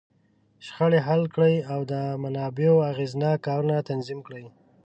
شخړې حل کړي، او د منابعو اغېزناک کارونه تنظیم کړي.